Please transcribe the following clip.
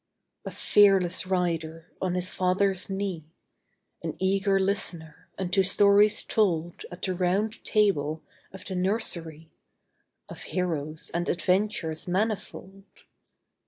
A fearless rider on his father's knee, An eager listener unto stories told At the Round Table of the nursery, Of heroes and adventures manifold.